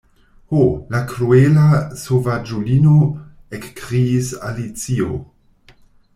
"Ho, la kruela sovaĝulino," ekkriis Alicio.